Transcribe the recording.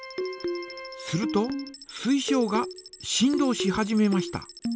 すると水晶が振動し始めました。